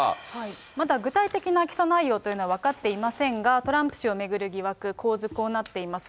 まだ具体的な起訴内容というのは、分かっていませんが、トランプ氏を巡る疑惑、構図、こうなっています。